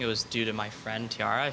itu karena teman saya tiara